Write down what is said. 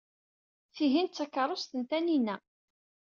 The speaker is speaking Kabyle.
Tihin d takeṛṛust n Taninna.